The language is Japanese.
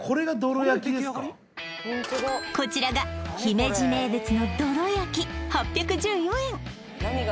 こちらが姫路名物のどろ焼８１４円